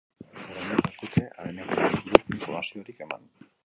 Oraingoz ez dute haren egoerari buruzko informaziorik eman.